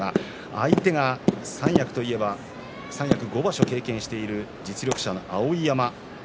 相手が三役といえば５場所経験している実力者の碧山です。